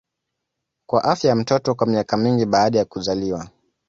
kwa afya ya mtoto kwa miaka mingi baada ya kuzaliwa